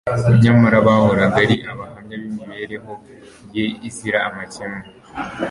Nyamara bahoraga ari abahamya b'imibereho ye izira amakemwa